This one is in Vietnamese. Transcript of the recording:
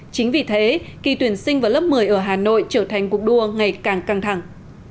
chính vì thế kỳ tuyển sinh vào lớp một mươi ở hà nội trở thành cuộc đua ngày càng căng thẳng